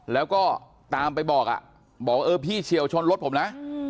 แล้วก็ตามไปบอกอ่ะบอกบอกเออพี่เฉียวชนรถผมนะ